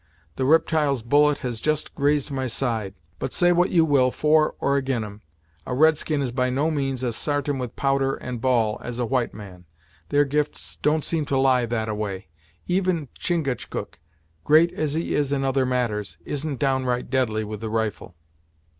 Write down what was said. The riptyle's bullet has just grazed my side but say what you will for or ag'in 'em, a red skin is by no means as sartain with powder and ball as a white man. Their gifts don't seem to lie that a way. Even Chingachgook, great as he is in other matters, isn't downright deadly with the rifle."